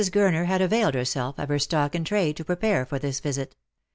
Gurner had availed herself of her stock in trade to prepare for this visit.